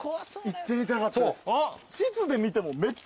行ってみたかったです。